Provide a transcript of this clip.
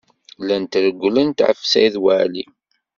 Llant rewwlent ɣef Saɛid Waɛli.